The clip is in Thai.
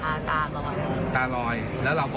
กระตุกเมื่อยครับเหลี่ยมเมื่อยครับ